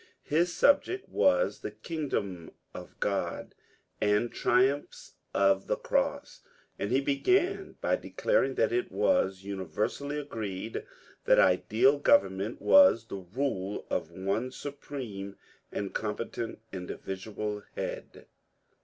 His subject was the kingdom of Grod and triumphs of the Cross, and he began by declaring that it was imiversally agreed that ideal government was the rule of one supreme and competent individual head.